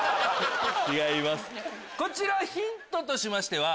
こちらヒントとしましては。